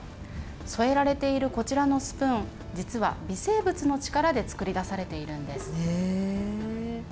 添えられているこちらのスプーン、実は微生物の力で作りだされているんです。